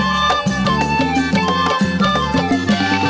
กลับมาที่สุดท้าย